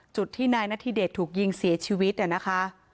จุดที่นายณฑิเดชถูกยิงเสียชีวิตนะคะ